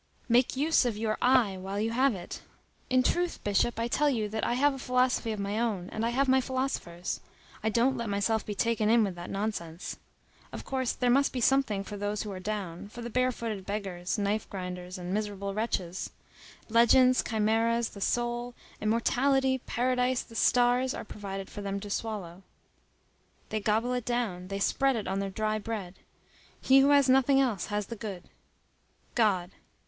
Make use of your I while you have it. In truth, Bishop, I tell you that I have a philosophy of my own, and I have my philosophers. I don't let myself be taken in with that nonsense. Of course, there must be something for those who are down,—for the barefooted beggars, knife grinders, and miserable wretches. Legends, chimæras, the soul, immortality, paradise, the stars, are provided for them to swallow. They gobble it down. They spread it on their dry bread. He who has nothing else has the good God.